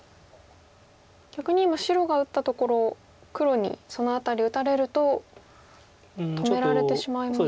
逆に今白が打ったところ黒にその辺り打たれると止められてしまいますか。